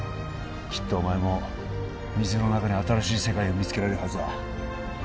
きっとお前も水の中に新しい世界を見つけられるはずだ